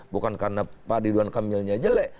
bukan karena pak ridwan kamilnya jelek